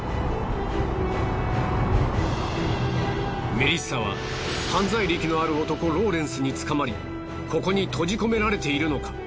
メリッサは犯罪歴のある男ローレンスに捕まりここに閉じ込められているのか？